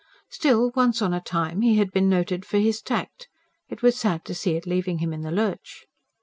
Still, once on a time he had been noted for his tact; it was sad to see it leaving him in the lurch.